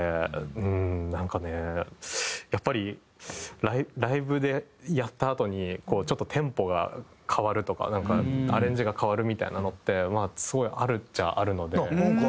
うんなんかねやっぱりライヴでやったあとにちょっとテンポが変わるとかアレンジが変わるみたいなのってすごいあるっちゃあるので。